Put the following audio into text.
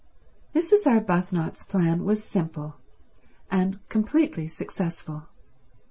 Mrs. Arbuthnot's plan was simple, and completely successful.